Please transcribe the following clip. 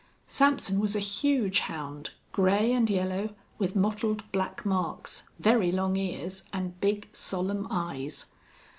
Sampson was a huge hound, gray and yellow, with mottled black marks, very long ears, and big, solemn eyes.